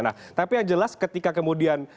nah tapi yang jelas ketika kemudian